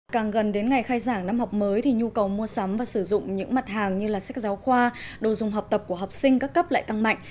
càng gần đến ngày khai giảng năm học mới thì nhu cầu mua sắm và sử dụng những mặt hàng như là sách giáo khoa đồ dùng học tập của học sinh các cấp lại tăng mạnh